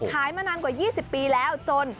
มานานกว่า๒๐ปีแล้วจน